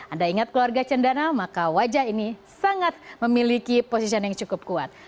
anda ingat keluarga cendana maka wajah ini sangat memiliki position yang cukup kuat